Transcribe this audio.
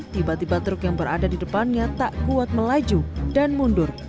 tiba tiba truk yang berada di depannya tak kuat melaju dan mundur